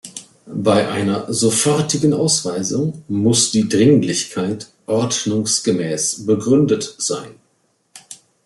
Bei einer sofortigen Ausweisung muss die Dringlichkeit ordnungsgemäß begründet sein.